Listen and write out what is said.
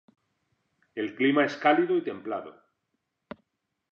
El clima es cálido y templado.